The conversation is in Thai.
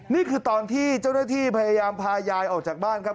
นี่คือตอนที่เจ้าหน้าที่พยายามพายายออกจากบ้านครับ